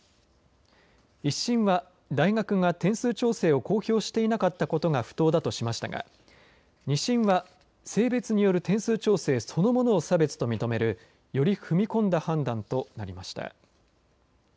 １審は大学が点数調整を公表していなかったことが不当だとしましたが２審は性別による点数調整そのものを差別と認めるより踏み込んだ判断となりました。